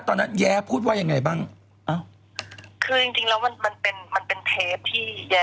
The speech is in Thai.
แต่พูดตรงว่าก่อนหน้านี้